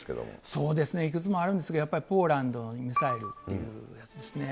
そうですね、いくつもあるんですけど、やっぱりポーランドにミサイルっていうやつですね。